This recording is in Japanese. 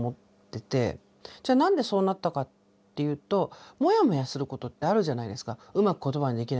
じゃあ何でそうなったかっていうとモヤモヤすることってあるじゃないですか。